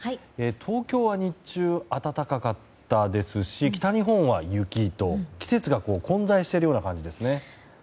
東京は日中暖かかったですし北日本は雪と、季節が混在しているような感じですね。